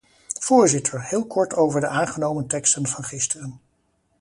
Voorzitter, heel kort over de aangenomen teksten van gisteren.